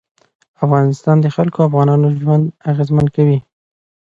د افغانستان جلکو د افغانانو ژوند اغېزمن کوي.